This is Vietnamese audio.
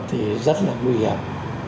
thì rất là nguy hiểm